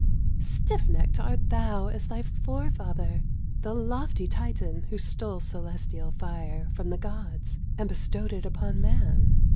Stiff necked art thou as thy forefather, The lofty Titan, who stole celestial fire From the gods, and bestowed it upon man.